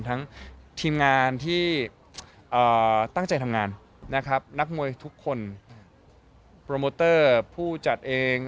ทั้งทีมงานที่ตั้งใจทำงานนะครับนักมวยทุกคนโปรโมเตอร์ผู้จัดเอง